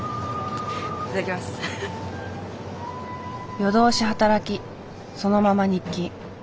夜通し働きそのまま日勤。